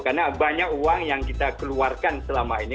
karena banyak uang yang kita keluarkan selama ini